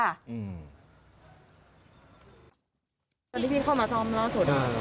ตอนที่พี่เข้ามาซ่อมล่าสุด